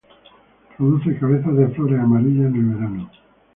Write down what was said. Produce cabezas de flores amarillas en el verano.